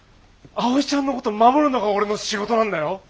あおいちゃんのこと守るのが俺の仕事なんだよ。